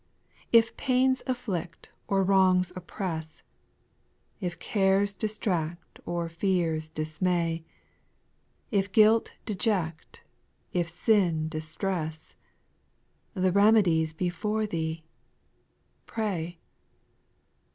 4/ If pains afflict or wrongs oppress, If cares distract or fears dismay, If guilt deject, if sin distress, The remedy 's before thee, — pray.